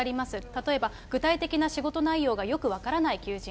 例えば、具体的な仕事内容がよく分からない求人。